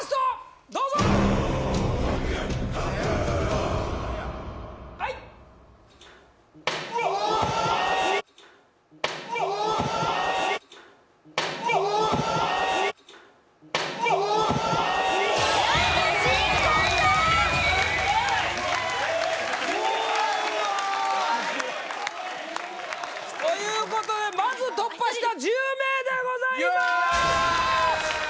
・うわっということでまず突破した１０名でございます